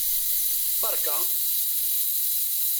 Berka!